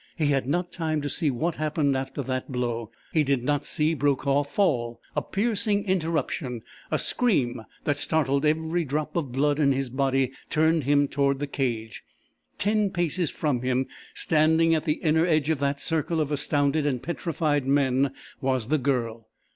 He had not time to see what happened after that blow. He did not see Brokaw fall. A piercing interruption a scream that startled every drop of blood in his body turned him toward the cage. Ten paces from him, standing at the inner edge of that circle of astounded and petrified men, was the Girl!